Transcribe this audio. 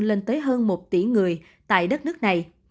lên tới hơn một tỷ người tại đất nước này